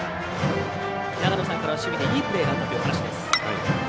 長野さんからは守備でいいプレーがあったというお話です。